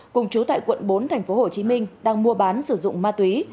cùng chú tại quận bốn tp hcm đang mua bán sử dụng ma túy